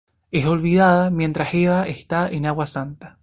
Es olvidada mientras Eva está en Agua Santa.